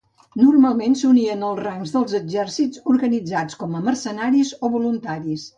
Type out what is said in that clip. Normalment s'unien als rancs dels exèrcits organitzats com a mercenaris o voluntaris.